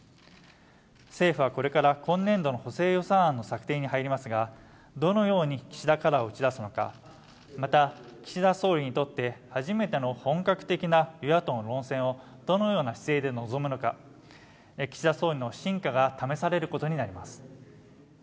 政府はこれから今年度の補正予算案の策定に入りますがどのように岸田カラーを打ち出すのかまた岸田総理にとって初めての本格的な与野党の論戦をどのような姿勢で臨むのか岸田総理の真価が試されることになります